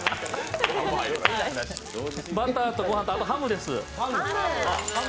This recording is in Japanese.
バターとご飯と、あとハムです。